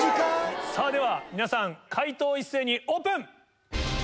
さぁでは皆さん解答を一斉にオープン！